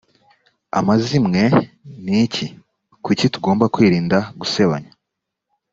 amazimwe ni iki kuki tugomba kwirinda gusebanya